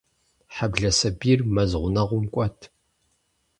Хьэблэ сабийр мэз гъунэгъум кӀуат.